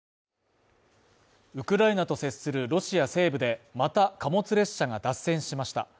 ウクライナと接するロシア西部でまた貨物列車が脱線しました。